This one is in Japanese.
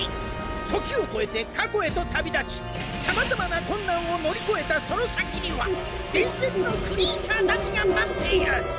時を超えて過去へと旅立ちさまざまな困難を乗り越えたその先には伝説のクリーチャーたちが待っている。